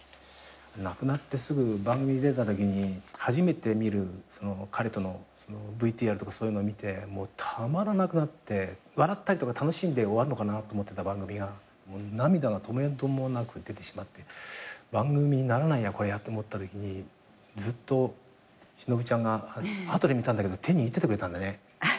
亡くなってすぐ番組出たときに初めて見る彼とのＶＴＲとかそういうの見てもうたまらなくなって笑ったりとか楽しんで終わるのかなと思ってた番組が涙が止めどもなく出てしまって番組にならないと思ったときにずっとしのぶちゃんが後で見たんだけど手握っててくれたんだね。